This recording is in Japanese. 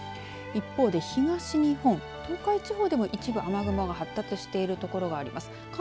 一方で、東日本東海地方でも一部雨雲が発達している所があります。